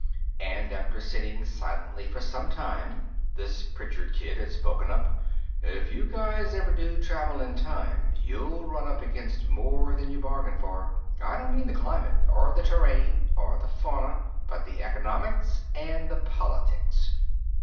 And after sitting silently for some time, this Pritchard kid had spoken up: "If you guys ever do travel in time, you'll run up against more than you bargain for. I don't mean the climate or the terrain or the fauna, but the economics and the politics."